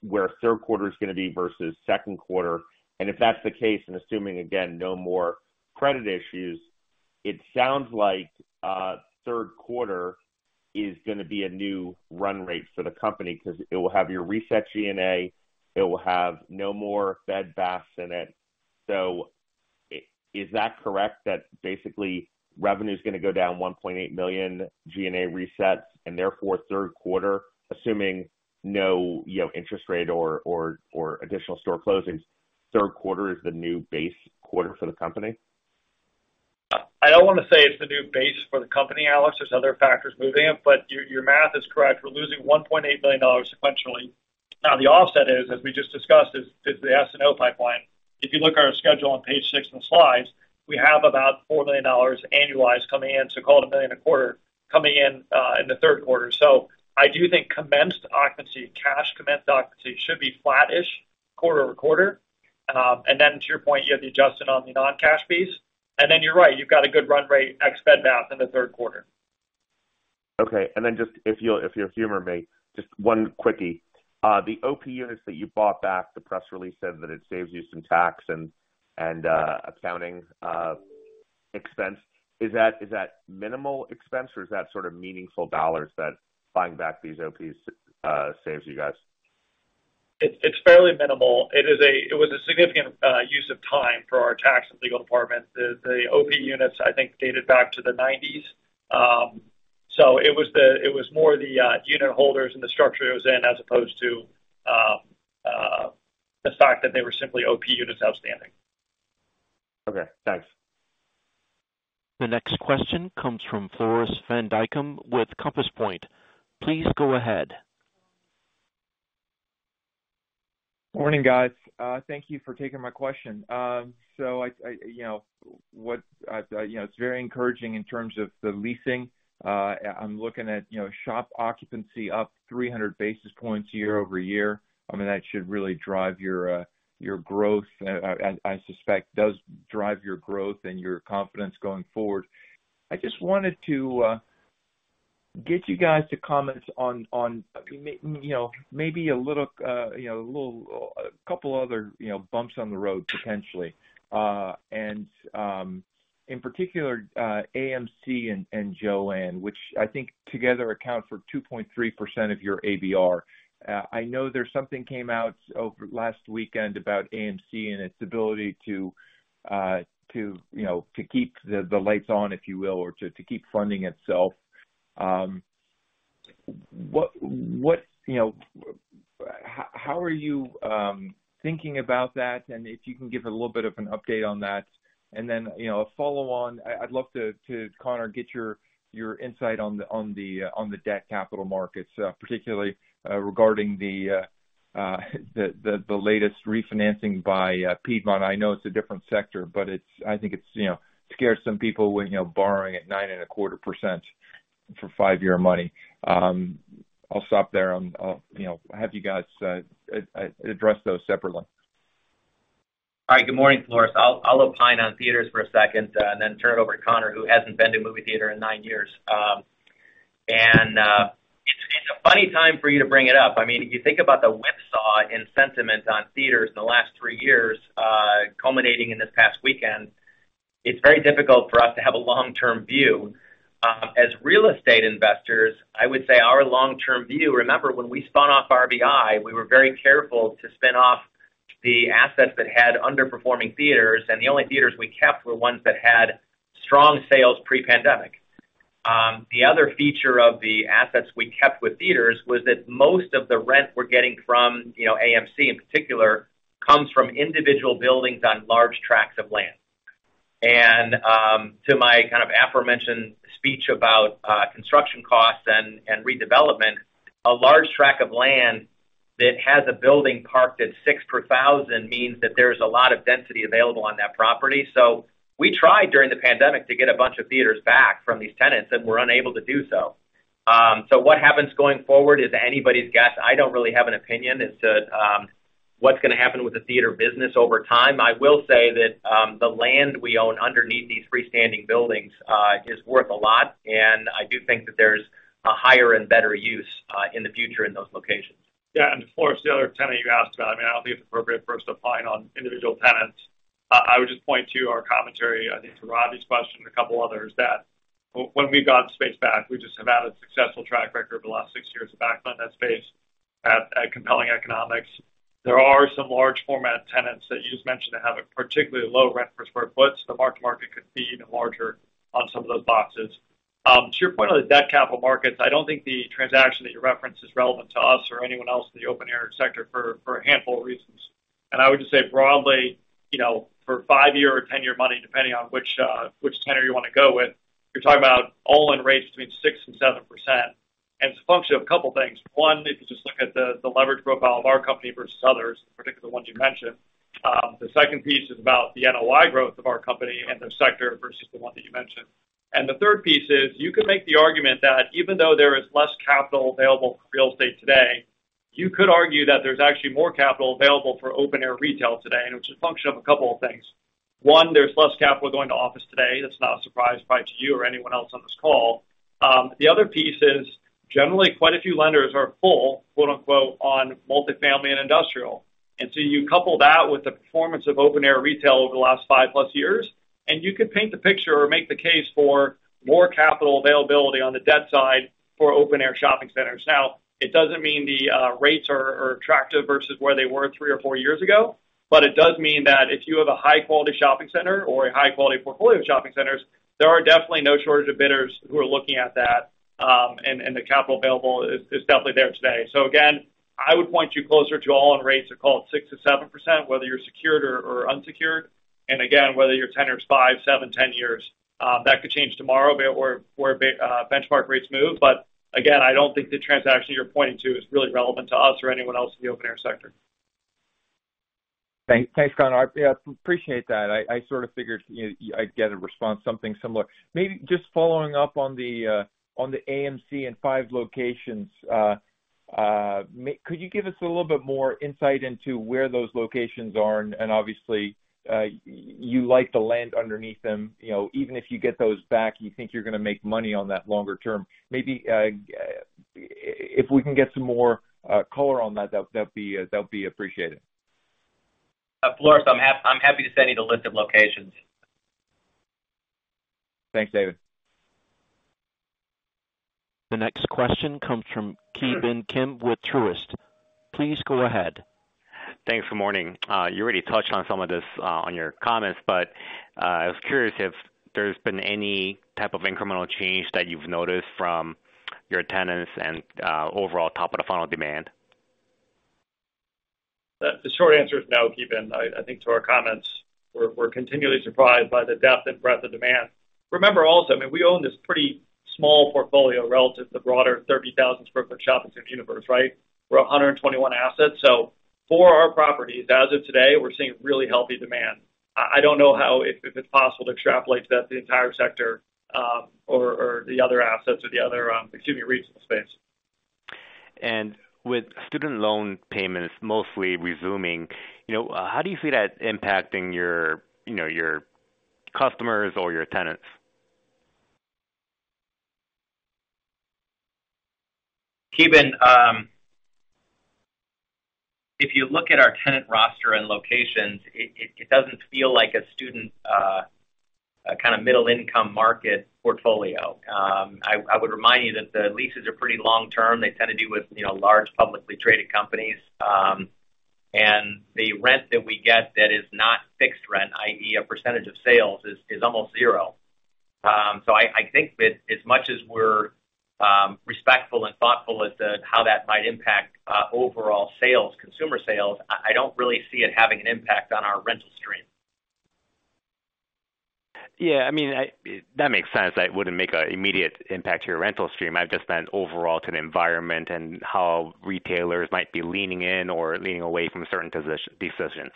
where third quarter is gonna be versus second quarter. If that's the case, and assuming, again, no more credit issues, it sounds like, third quarter is gonna be a new run rate for the company because it will have your reset G&A, it will have no more Bed Bath in it. Is that correct, that basically revenue is gonna go down $1.8 million G&A resets, and therefore, third quarter, assuming no, you know, interest rate or additional store closings, third quarter is the new base quarter for the company? I don't wanna say it's the new base for the company, Alex. There's other factors moving them, but your math is correct. We're losing $1.8 billion sequentially. The offset is, as we just discussed, is the SNO pipeline. If you look at our schedule on page six in the slides, we have about $4 million annualized coming in, so call it $1 million a quarter, coming in in the third quarter. I do think commenced occupancy, cash commenced occupancy should be flattish quarter-over-quarter. Then to your point, you have the adjustment on the non-cash piece. Then you're right, you've got a good run rate, ex Bed Bath, in the third quarter. Okay. Just if you'll humor me, just one quickie. The OP units that you bought back, the press release said that it saves you some tax and accounting expense. Is that minimal expense, or is that sort of meaningful dollars that buying back these OPs saves you guys? It's fairly minimal. It was a significant use of time for our tax and legal department. The OP units, I think, dated back to the '90s. It was more the unitholders and the structure it was in, as opposed to the fact that they were simply OP units outstanding. Okay, thanks. The next question comes from Floris van Dijkum with Ladenburg Thalmann Please go ahead. Morning, guys. Thank you for taking my question. I, you know, it's very encouraging in terms of the leasing. I'm looking at, you know, shop occupancy up 300 basis points year-over-year. I mean, that should really drive your growth and I suspect does drive your growth and your confidence going forward. I just wanted to get you guys to comment on, you know, maybe a little, you know, a couple other, you know, bumps on the road, potentially. In particular, AMC and Jo-Ann, which I think together account for 2.3% of your ABR. I know there's something came out over last weekend about AMC and its ability to, you know, to keep the lights on, if you will, or to keep funding itself. You know, how are you thinking about that? If you can give a little bit of an update on that. You know, a follow-on, I'd love to, Connor, get your insight on the debt capital markets, particularly regarding the latest refinancing by Piedmont. I know it's a different sector, but I think it's, you know, scares some people when, you know, borrowing at 9.25% for five year money. I'll stop there. I'll, you know, have you guys address those separately. All right. Good morning, Floris. I'll opine on theaters for a second, and then turn it over to Connor, who hasn't been to a movie theater in nine years. anytime for you to bring it up. I mean, if you think about the whipsaw in sentiment on theaters in the last three years, culminating in this past weekend, it's very difficult for us to have a long-term view. As real estate investors, I would say our long-term view. Remember, when we spun off RVI, we were very careful to spin off the assets that had underperforming theaters, and the only theaters we kept were ones that had strong sales pre-pandemic. The other feature of the assets we kept with theaters was that most of the rent we're getting from AMC in particular, comes from individual buildings on large tracts of land. To my kind of aforementioned speech about construction costs and redevelopment, a large tract of land that has a building parked at six per 1,000 means that there's a lot of density available on that property. We tried during the pandemic to get a bunch of theaters back from these tenants, and we're unable to do so. What happens going forward is anybody's guess. I don't really have an opinion as to what's gonna happen with the theater business over time. I will say that, the land we own underneath these freestanding buildings, is worth a lot, and I do think that there's a higher and better use, in the future in those locations. Yeah, Floris, the other tenant you asked about, I mean, I don't think it's appropriate for us to opine on individual tenants. I would just point to our commentary, I think, to Ravi question and a couple of others, that when we've gotten space back, we just have had a successful track record over the last six years of backfilling that space at compelling economics. There are some large format tenants that you just mentioned that have a particularly low rent per sq ft, so the marked market could be even larger on some of those boxes. To your point on the debt capital markets, I don't think the transaction that you referenced is relevant to us or anyone else in the open-air sector for a handful of reasons. I would just say broadly, you know, for five-year or 10-year money, depending on which tenor you wanna go with, you're talking about all-in rates between 6%-7%. It's a function of a couple of things. One, if you just look at the leverage profile of our company versus others, particularly the ones you mentioned. The second piece is about the NOI growth of our company and the sector versus the one that you mentioned. The third piece is, you could make the argument that even though there is less capital available for real estate today, you could argue that there's actually more capital available for open-air retail today, and it's a function of a couple of things. One, there's less capital going to office today. That's not a surprise probably to you or anyone else on this call. The other piece is, generally, quite a few lenders are full, quote-unquote, on multifamily and industrial. You couple that with the performance of open-air retail over the last five+ years, and you could paint the picture or make the case for more capital availability on the debt side for open-air shopping centers. It doesn't mean the rates are attractive versus where they were three or four years ago, but it does mean that if you have a high-quality shopping center or a high-quality portfolio of shopping centers, there are definitely no shortage of bidders who are looking at that, and the capital available is definitely there today. Again, I would point you closer to all-in rates are called 6%-7%, whether you're secured or unsecured. Whether your tenors five, seven, 10 years, that could change tomorrow, but where, benchmark rates move. I don't think the transaction you're pointing to is really relevant to us or anyone else in the open-air sector. Thanks, Connor. I appreciate that. I sort of figured I'd get a response, something similar. Maybe just following up on the AMC and five locations, could you give us a little bit more insight into where those locations are? Obviously, you like the land underneath them. You know, even if you get those back, you think you're gonna make money on that longer term. Maybe if we can get some more color on that'd be appreciated. Floris, I'm happy to send you the list of locations. Thanks, David. The next question comes from Ki Bin Kim with Truist. Please go ahead. Thanks. Morning. You already touched on some of this, on your comments, I was curious if there's been any type of incremental change that you've noticed from your tenants and, overall top-of-the-funnel demand. The short answer is no, Keven. I think to our comments, we're continually surprised by the depth and breadth of demand. Remember also, I mean, we own this pretty small portfolio relative to the broader 30,000 sq ft shopping center universe, right? We're 121 assets. For our properties, as of today, we're seeing really healthy demand. I don't know how if it's possible to extrapolate that to the entire sector, or the other assets or the other, excuse me, regional space. With student loan payments mostly resuming, you know, how do you see that impacting your, you know, your customers or your tenants? Ki Bin, if you look at our tenant roster and locations, it doesn't feel like a student, a kind of middle-income market portfolio. I would remind you that the leases are pretty long term. They tend to do with, you know, large, publicly traded companies. The rent that we get that is not fixed rent, i.e., a percentage of sales, is almost zero. I think that as much as we're respectful and thoughtful as to how that might impact overall sales, consumer sales, I don't really see it having an impact on our rental stream. Yeah, I mean, that makes sense. That wouldn't make an immediate impact to your rental stream. I just meant overall to the environment and how retailers might be leaning in or leaning away from certain decisions.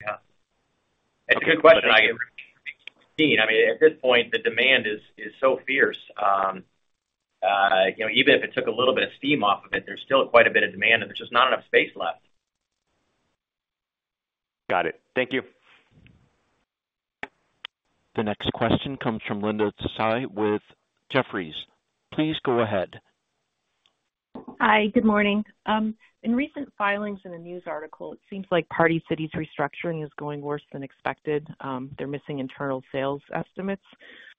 Yeah. It's a good question. I mean, at this point, the demand is so fierce. You know, even if it took a little bit of steam off of it, there's still quite a bit of demand, and there's just not enough space left. Got it. Thank you. The next question comes from Linda Tsai with Jefferies. Please go ahead. Hi, good morning. In recent filings in a news article, it seems like Party City's restructuring is going worse than expected. They're missing internal sales estimates,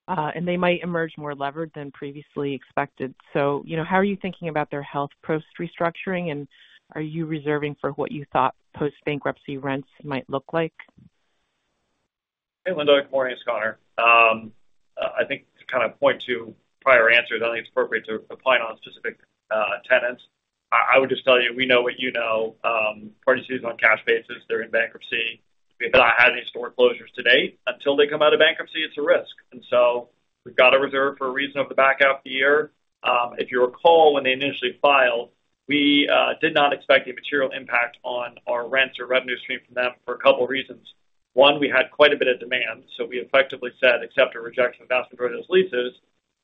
and they might emerge more levered than previously expected. You know, how are you thinking about their health post-restructuring, and are you reserving for what you thought post-bankruptcy rents might look like? Hey, Linda, good morning. It's Connor. I think to kind of point to prior answers, I think it's appropriate to opine on specific tenants. I would just tell you, we know what you know. Party City is on a cash basis. They're in bankruptcy. We've not had any store closures to date. Until they come out of bankruptcy, it's a risk. We've got a reserve for a reason over the back half of the year. If you recall, when they initially filed, we did not expect a material impact on our rents or revenue stream from them for a couple of reasons. One, we had quite a bit of demand, so we effectively said, accept or reject, the vast majority of those leases.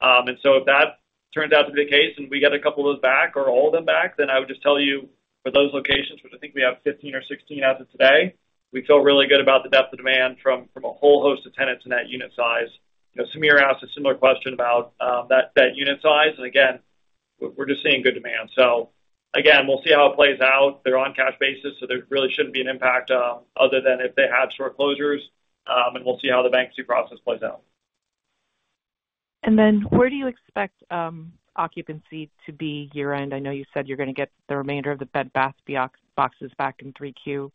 If that turns out to be the case and we get a couple of those back or all of them back, I would just tell you for those locations, which I think we have 15 or 16 as of today, we feel really good about the depth of demand from a whole host of tenants in that unit size. You know, Samir asked a similar question about that unit size, again, we're just seeing good demand. again, we'll see how it plays out. They're on a cash basis, there really shouldn't be an impact, other than if they have store closures, we'll see how the bankruptcy process plays out. Where do you expect occupancy to be year-end? I know you said you're gonna get the remainder of the Bed Bath boxes back in 3Q.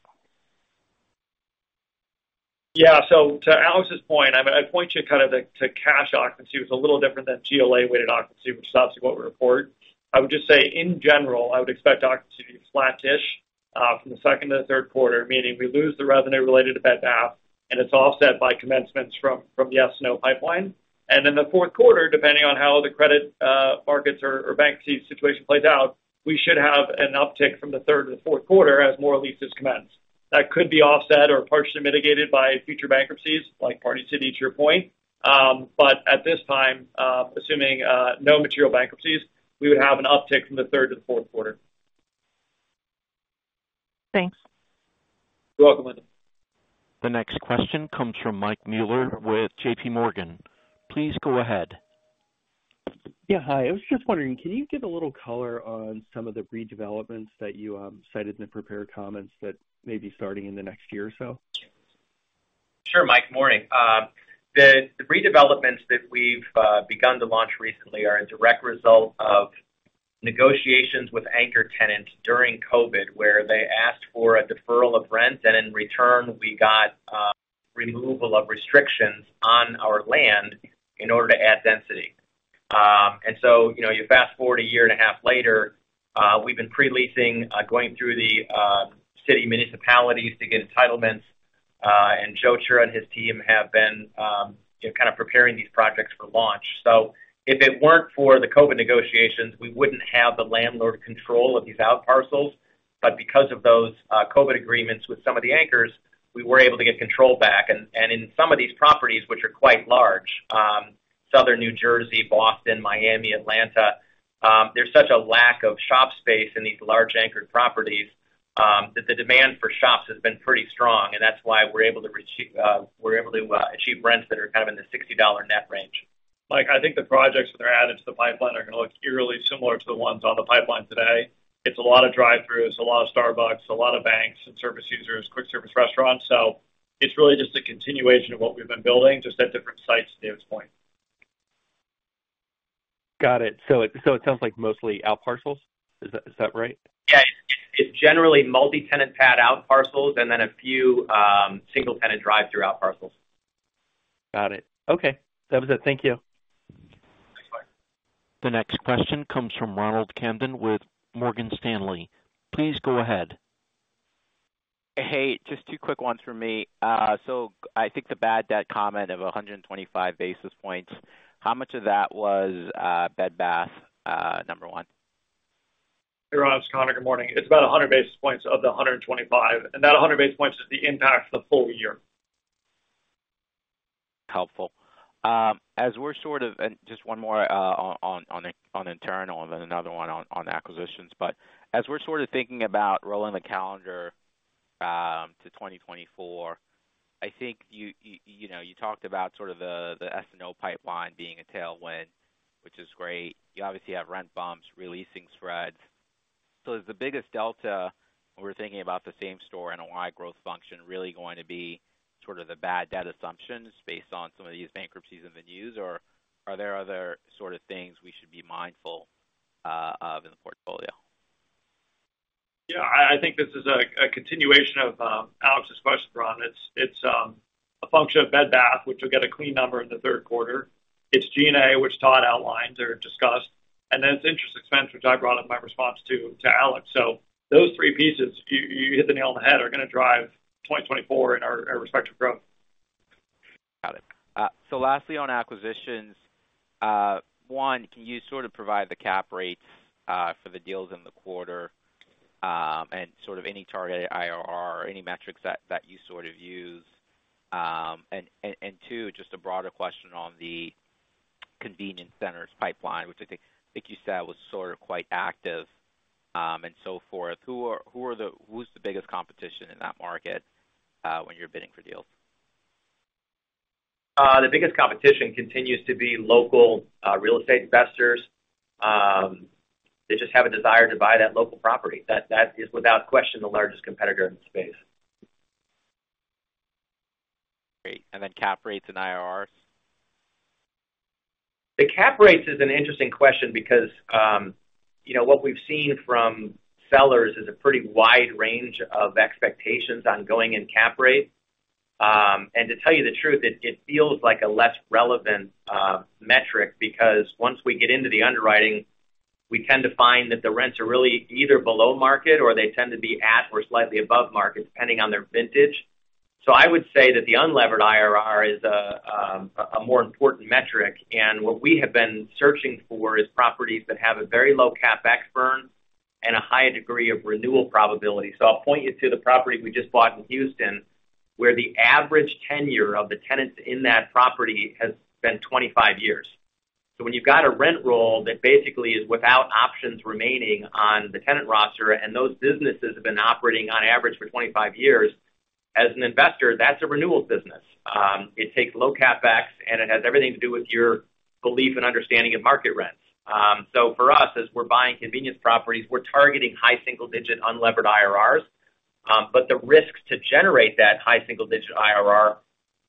I mean, I'd point you kind of to cash occupancy, which is a little different than GLA-weighted occupancy, which is obviously what we report. I would just say, in general, I would expect occupancy to be flattish from the second to the third quarter, meaning we lose the revenue related to Bed Bath, and it's offset by commencements from the SNO pipeline. In the fourth quarter, depending on how the credit markets or bankruptcy situation plays out, we should have an uptick from the third to the fourth quarter as more leases commence. That could be offset or partially mitigated by future bankruptcies, like Party City, to your point. At this time, assuming no material bankruptcies, we would have an uptick from the third to the fourth quarter. Thanks. You're welcome, Linda. The next question comes from Michael Mueller with JPMorgan. Please go ahead. Hi. I was just wondering, can you give a little color on some of the redevelopments that you cited in the prepared comments that may be starting in the next year or so? Sure, Mike. Morning. The redevelopments that we've begun to launch recently are a direct result of negotiations with anchor tenants during COVID, where they asked for a deferral of rent, and in return, we got removal of restrictions on our land in order to add density. You know, you fast forward a year and a half later, we've been pre-leasing, going through the city municipalities to get entitlements, and Joe Cher and his team have been, you know, kind of preparing these projects for launch. If it weren't for the COVID negotiations, we wouldn't have the landlord control of these outparcels, but because of those, COVID agreements with some of the anchors, we were able to get control back. In some of these properties, which are quite large, Southern New Jersey, Boston, Miami, Atlanta, there's such a lack of shop space in these large anchored properties that the demand for shops has been pretty strong, that's why we're able to achieve rents that are kind of in the $60 net range. Mike, I think the projects that are added to the pipeline are gonna look eerily similar to the ones on the pipeline today. It's a lot of drive-throughs, a lot of Starbucks, a lot of banks and service users, quick service restaurants. It's really just a continuation of what we've been building, just at different sites, to Dave's point. Got it. It sounds like mostly outparcels. Is that right? Yeah, it's generally multi-tenant pad outparcels and then a few single-tenant drive-through outparcels. Got it. Okay, that was it. Thank you. Thanks, Mike. The next question comes from Ronald Kamdem with Morgan Stanley. Please go ahead. Hey, just 2 quick ones for me. I think the bad debt comment of 125 basis points, how much of that was Bed Bath, number one? Hey, Ron, it's Connor. Good morning. It's about 100 basis points of the 125, and that 100 basis points is the impact for the full year. Helpful. And just one more on internal, then another one on acquisitions. As we're thinking about rolling the calendar to 2024, I think you know, you talked about the SNO pipeline being a tailwind, which is great. You obviously have rent bumps, releasing spreads. Is the biggest delta, when we're thinking about the same-store NOI growth function, really going to be the bad debt assumptions based on some of these bankruptcies in the news? Are there other things we should be mindful of in the portfolio? Yeah, I think this is a continuation of Alex's question, Ron. It's a function of Bed Bath, which will get a clean number in the third quarter. It's G&A, which Todd outlined or discussed, and then it's interest expense, which I brought up in my response to Alex. Those three pieces, you hit the nail on the head, are gonna drive 2024 in our respective growth. Got it. Lastly, on acquisitions, one, can you sort of provide the cap rates for the deals in the quarter, and sort of any targeted IRR or any metrics that you sort of use? Two, just a broader question on the convenience centers pipeline, which I think you said was sort of quite active, and so forth. Who's the biggest competition in that market, when you're bidding for deals? The biggest competition continues to be local real estate investors. They just have a desire to buy that local property. That is without question, the largest competitor in the space. Great. Cap rates and IRRs? The cap rates is an interesting question because, you know, what we've seen from sellers is a pretty wide range of expectations on going-in cap rate. To tell you the truth, it feels like a less relevant metric, because once we get into the underwriting, we tend to find that the rents are really either below market or they tend to be at, or slightly above market, depending on their vintage. I would say that the unlevered IRR is a more important metric, and what we have been searching for is properties that have a very low CapEx burn and a high degree of renewal probability. I'll point you to the property we just bought in Houston, where the average tenure of the tenants in that property has been 25 years. When you've got a rent roll that basically is without options remaining on the tenant roster, and those businesses have been operating on average for 25 years, as an investor, that's a renewals business. It takes low CapEx, and it has everything to do with your belief and understanding of market rents. For us, as we're buying convenience properties, we're targeting high single-digit unlevered IRRs. But the risks to generate that high single-digit IRR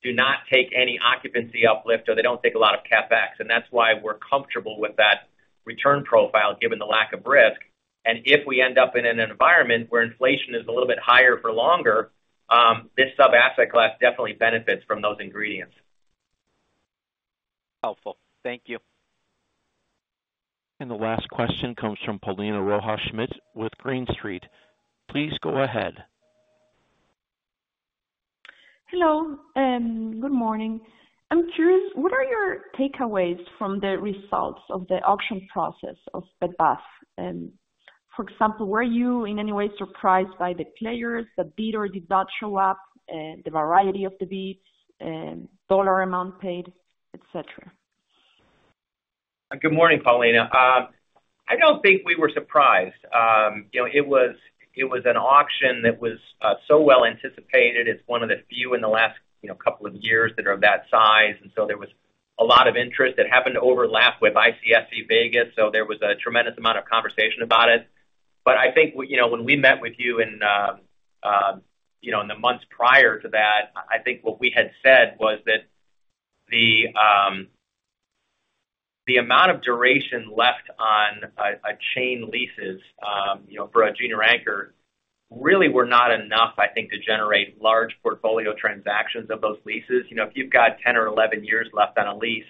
do not take any occupancy uplift, or they don't take a lot of CapEx, and that's why we're comfortable with that return profile, given the lack of risk. If we end up in an environment where inflation is a little bit higher for longer, this sub-asset class definitely benefits from those ingredients. Helpful. Thank you. The last question comes from Paulina Rojas Schmidt with Green Street. Please go ahead. Hello, good morning. I'm curious, what are your takeaways from the results of the auction process of Bed Bath? For example, were you in any way surprised by the players, the bidder did not show up, the variety of the bids, dollar amount paid, et cetera? Good morning, Paulina. I don't think we were surprised. You know, it was an auction that was so well anticipated. It's one of the few in the last, you know, couple of years that are of that size, there was a tremendous amount of conversation about it. I think, you know, when we met with you in, you know, in the months prior to that, I think what we had said was that the amount of duration left on a chain leases, you know, for a junior anchor, really were not enough, I think, to generate large portfolio transactions of those leases. You know, if you've got 10 or 11 years left on a lease,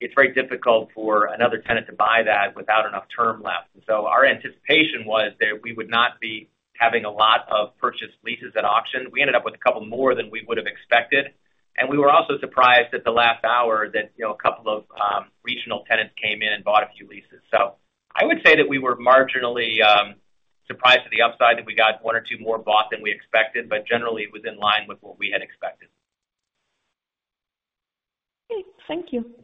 it's very difficult for another tenant to buy that without enough term left. Our anticipation was that we would not be having a lot of purchased leases at auction. We ended up with a couple more than we would have expected, and we were also surprised at the last hour that, you know, a couple of regional tenants came in and bought a few leases. I would say that we were marginally surprised to the upside that we got one or two more bought than we expected, but generally, it was in line with what we had expected. Okay. Thank you.